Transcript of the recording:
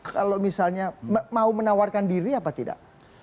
kalau misalnya mau menawarkan diri apa tidak